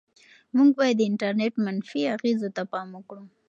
موږ باید د انټرنيټ منفي اغېزو ته پام وکړو.